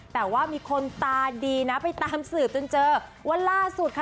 แต่ว่ามีคนตาดีนะไปตามสืบจนเจอวันล่าสุดค่ะ